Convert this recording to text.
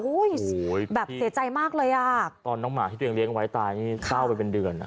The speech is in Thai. โอ้โหแบบเสียใจมากเลยอ่ะตอนน้องหมาที่ตัวเองเลี้ยงไว้ตายนี่เศร้าไปเป็นเดือนนะ